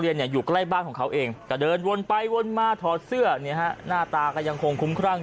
อยู่ใกล้บ้านของเขาเองก็เดินวนไปวนมาถอดเสื้อเนี่ยฮะหน้าตาก็ยังคงคุ้มครั่ง